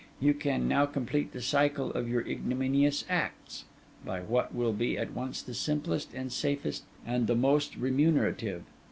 You can now complete the cycle of your ignominious acts, by what will be at once the simplest, the safest, and the most remunerative.